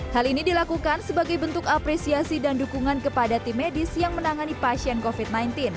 hal ini dilakukan sebagai bentuk apresiasi dan dukungan kepada tim medis yang menangani pasien covid sembilan belas